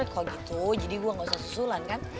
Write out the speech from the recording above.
kalau gitu jadi gue gak usah susulan kan